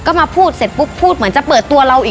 ก็มาพูดเสร็จปุ๊บพูดเหมือนจะเปิดตัวเราอีก